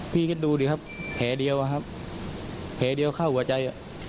พี่ก็ดูดิครับแผ่เดียวครับแผ่เดียวเข้าหัวใจ